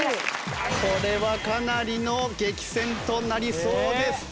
これはかなりの激戦となりそうです。